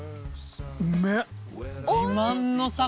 うめえ！